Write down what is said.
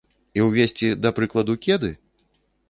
І ўвесці, да прыкладу, кеды?